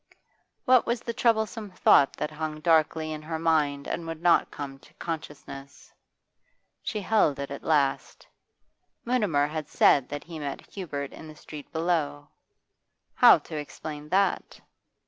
What was the troublesome thought that hung darkly in her mind and would not come to consciousness? She held it at last; Mutimer had said that he met Hubert in the street below. How to explain that?